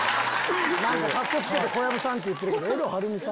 何かカッコつけて小籔さんって言ってるけどエド・はるみさん。